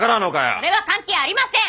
それは関係ありません！